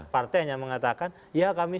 partai hanya mengatakan ya kami